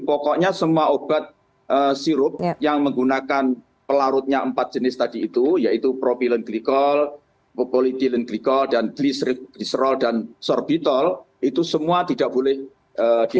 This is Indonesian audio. pokoknya semua obat sirup yang menggunakan pelarutnya empat jenis tadi itu yaitu propylenglikol popolidylenglikol dan gliserol dan sorbitol itu semua tidak boleh ditarik